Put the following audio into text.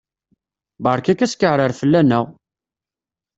Berka-k askeɛrer fell-aneɣ!